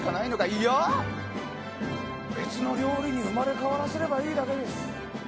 いや、別の料理に生まれ変わらせればいいだけです。